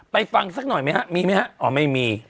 ไปฟังสักหน่อยมั้ยฮะมีมั้ยฮะอ๋อไม่มี